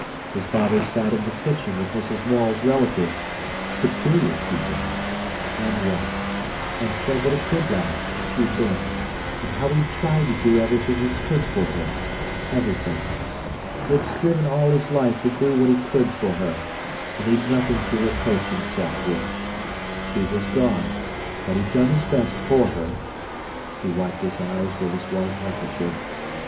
His father sat in the kitchen with Mrs. Morel's relatives, "superior" people, and wept, and said what a good lass she'd been, and how he'd tried to do everything he could for her—everything. He had striven all his life to do what he could for her, and he'd nothing to reproach himself with. She was gone, but he'd done his best for her. He wiped his eyes with his white handkerchief.